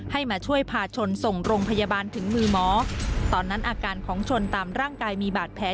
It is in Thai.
มาช่วยพาชนส่งโรงพยาบาลถึงมือหมอตอนนั้นอาการของชนตามร่างกายมีบาดแผล